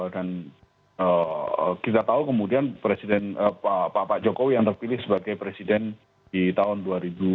dan kita tahu kemudian pak jokowi yang terpilih sebagai presiden di tahun dua ribu empat belas gitu